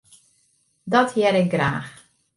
Dat hear ik graach.